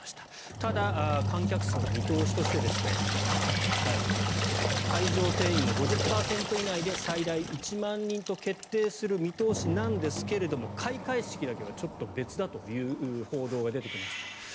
ただ、観客数の見通しとして会場定員の５０％以内で最大１万人と決定する見通しなんですが開会式だけはちょっと別だという報道が出てきました。